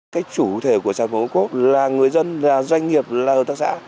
cái chủ thể của sản phẩm ocob là người dân doanh nghiệp hợp tác xã